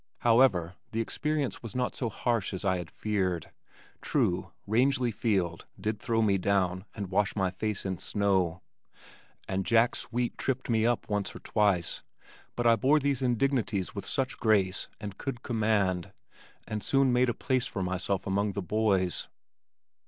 However, the experience was not so harsh as I had feared. True, Rangely Field did throw me down and wash my face in snow, and Jack Sweet tripped me up once or twice, but I bore these indignities with such grace and could command, and soon made a place for myself among the boys.